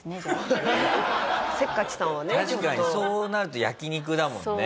確かにそうなると焼肉だもんね。